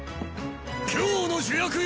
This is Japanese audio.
今日の主役よ！